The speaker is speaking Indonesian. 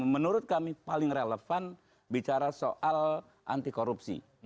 menurut kami paling relevan bicara soal anti korupsi